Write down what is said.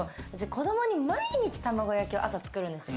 子どもに毎日、たまご焼きを朝作るんですよ。